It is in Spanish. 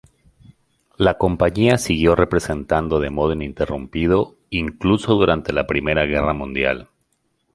La compañía siguió representando de modo ininterrumpido, incluso durante la Primera Guerra Mundial.